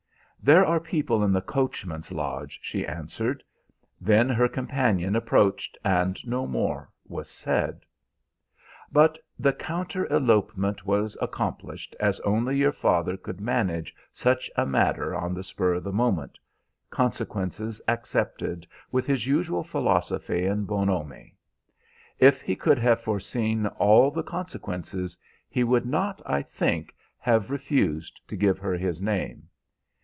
"'There are people in the coachman's lodge,' she answered. Then her companion approached, and no more was said. "But the counter elopement was accomplished as only your father could manage such a matter on the spur of the moment consequences accepted with his usual philosophy and bonhomie. If he could have foreseen all the consequences, he would not, I think, have refused to give her his name.